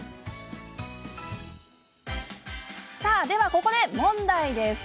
では、ここで問題です。